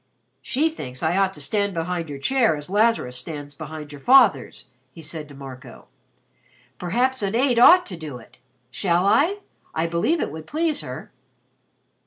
"She thinks I ought to stand behind your chair as Lazarus stands behind your father's," he said to Marco. "Perhaps an aide ought to do it. Shall I? I believe it would please her."